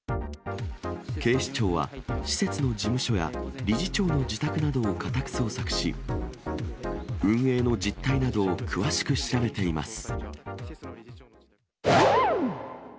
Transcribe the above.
警視庁は、施設の事務所や、理事長の自宅などを家宅捜索し、運営の実態などを詳しく調べています。